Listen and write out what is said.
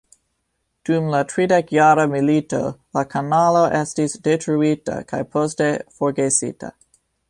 Dum la tridekjara milito la kanalo estis detruita kaj poste forgesita.